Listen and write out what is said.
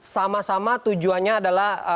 sama sama tujuannya adalah